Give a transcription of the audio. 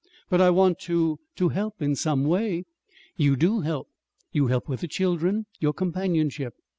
"But I want to to help in some way." "You do help. You help with the children your companionship."